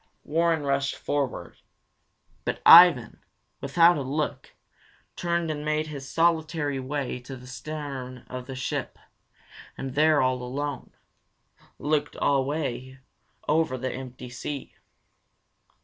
Warren rushed forward. But Ivan, without a look, turned and made his solitary way to the stern of the ship, and there, all alone, looked away over the empty sea.